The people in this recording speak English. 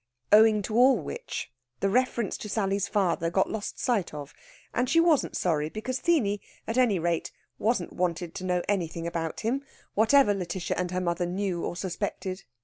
Owing to all which, the reference to Sally's father got lost sight of; and she wasn't sorry, because Theeny, at any rate, wasn't wanted to know anything about him, whatever Lætitia and her mother knew or suspected.